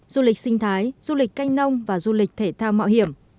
du lịch sinh thái du lịch canh nông và du lịch thể thao mạo hiểm